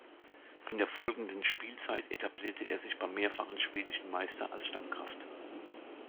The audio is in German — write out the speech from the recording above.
In der folgenden Spielzeit etablierte er sich beim mehrfachen schwedischen Meister als Stammkraft.